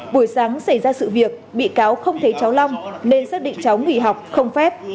buổi sáng xảy ra sự việc bị cáo không thấy cháu long nên xác định cháu nghỉ học không phép